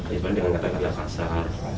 dibandingkan kata kata pasar